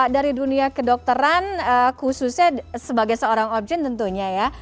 dari dunia kedokteran khususnya sebagai seorang objek tentunya ya